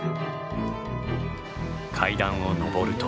階段を上ると。